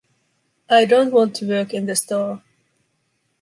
I don’t want to work in the store.